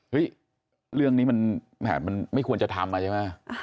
เห้ยเรื่องนี้มันไม่ควรจะทำอะไรใช่ไหม